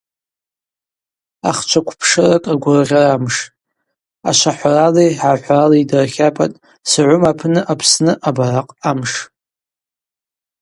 Ахчваквпшыракӏ ргвыргъьарамш: ашвахӏварали гӏахӏврали йдыртлапӏатӏ Согъвым апны Апсны абаракъ Амш.